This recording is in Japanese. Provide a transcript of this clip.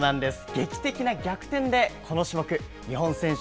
劇的な逆転でこの種目、日本選手